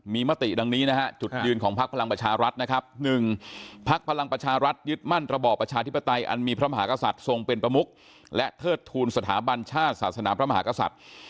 มีมติดังนี้นะฮะจุดยืนของพักพลังประชารัฐนะครับ๑พักพลังประชารัฐยึดมั่นระบอบประชาธิปไตยอันมีพระมหากษัตริย์ทรงเป็นประมุกและเทิดทูลสถาบันชาติศาสนาพระมหากษัตริย์